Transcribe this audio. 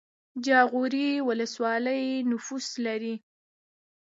جاغوری ولسوالۍ نفوس لري؟